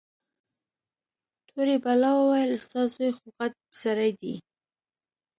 تورې بلا وويل ستا زوى خوغټ سړى دى.